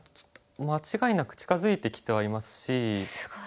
間違いなく近づいてきてはいますし。